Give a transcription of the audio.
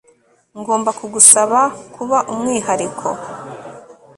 Ngomba kugusaba kuba umwihariko